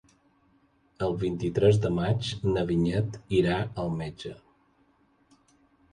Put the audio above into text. El vint-i-tres de maig na Vinyet irà al metge.